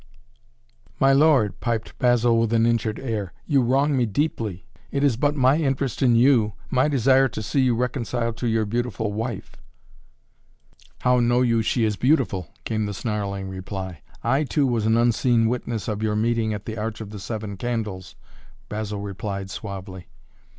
"My lord," piped Basil with an injured air, "you wrong me deeply. It is but my interest in you, my desire to see you reconciled to your beautiful wife " "How know you she is beautiful?" came the snarling reply. "I, too, was an unseen witness of your meeting at the Arch of the Seven Candles," Basil replied suavely.